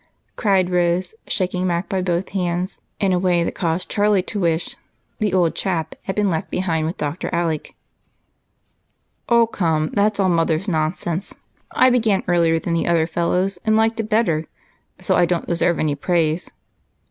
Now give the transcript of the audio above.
cried Rose, shaking Mac by both hands in a way that caused Charlie to wish "the old chap" had been left behind with Dr. Alec. "Oh, come, that's all Mother's nonsense. I began earlier than the other fellows and liked it better, so I don't deserve any praise.